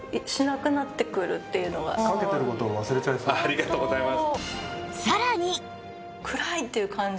ありがとうございます。